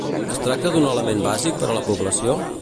Es tracta d'un element bàsic per a la població?